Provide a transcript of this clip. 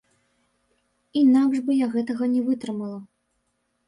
Інакш бы я гэтага не вытрымала.